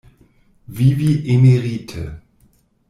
Vivi emerite.